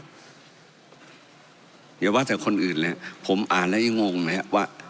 เดี๋ยวว่าแต่คนอื่นนะฮะผมอ่านแล้วยังงงไหมฮะ